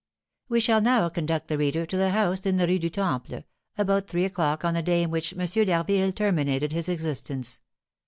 We shall now conduct the reader to the house in the Rue du Temple, about three o'clock on the day in which M. d'Harville terminated his existence.